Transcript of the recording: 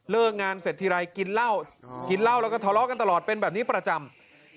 งานเสร็จทีไรกินเหล้ากินเหล้าแล้วก็ทะเลาะกันตลอดเป็นแบบนี้ประจำ